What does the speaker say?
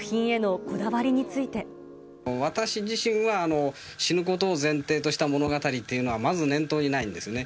私自身は、死ぬことを前提とした物語というのはまず念頭にないんですね。